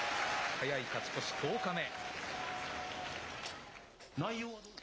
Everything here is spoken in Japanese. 早い勝ち越し、１０日目。